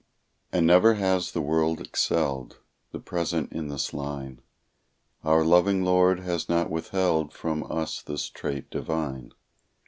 And never has the world excelled The present in this line; Our loving Lord has not withheld From us this trait divine.